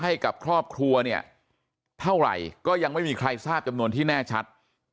ให้กับครอบครัวเนี่ยเท่าไหร่ก็ยังไม่มีใครทราบจำนวนที่แน่ชัด